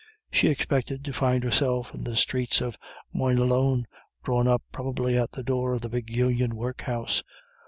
She expected to find herself in the streets of Moynalone, drawn up, probably, at the door of the big Union workhouse.